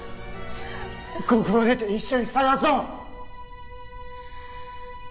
ここを出て一緒に捜そう